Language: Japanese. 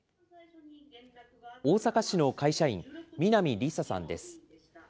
大阪市の会社員、南里沙さんです。